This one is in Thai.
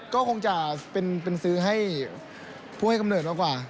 ก็คงจะเป็นซื้อให้ผู้ให้กำเนิดมากกว่า